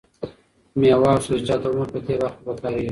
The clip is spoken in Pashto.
مېوه او سبزیجات د عمر په دې برخه کې پکارېږي.